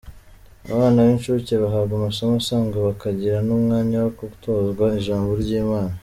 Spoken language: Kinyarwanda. Abana b’incuke bahabwa amasomo asanzwe bakagira n’umwanya wo gutozwa Ijambo ry’Imana